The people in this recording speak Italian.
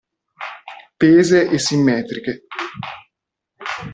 Tese e simmetriche.